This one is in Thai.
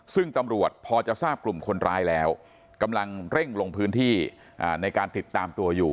ซึ่งตำรวจพอจะทราบกลุ่มคนร้ายแล้วกำลังเร่งลงพื้นที่ในการติดตามตัวอยู่